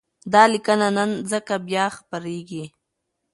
دا لیکنه نن ځکه بیا خپرېږي،